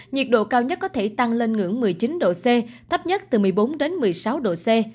nhiệt độ cao nhất có thể tăng lên ngưỡng một mươi chín độ c thấp nhất từ một mươi bốn đến một mươi sáu độ c